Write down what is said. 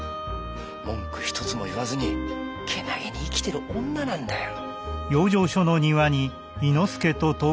文句一つも言わずにけなげに生きてる女なんだよ。